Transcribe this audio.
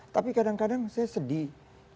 tapi kadang kadang saya sedih